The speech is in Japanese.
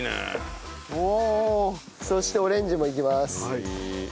そしてオレンジもいきます。